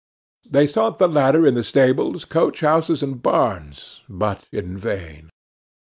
They sought the latter in the stables, coach houses and barns but in vain.